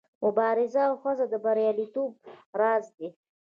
مبارزه او هڅه د بریالیتوب راز دی.